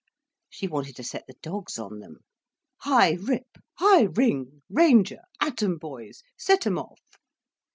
She wanted to set the dogs on them, "Hi Rip! Hi Ring! Ranger! At 'em boys, set 'em off."